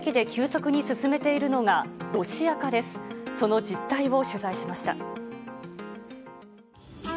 その実態を取材しました。